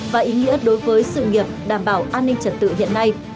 và ý nghĩa đối với sự nghiệp đảm bảo an ninh trật tự hiện nay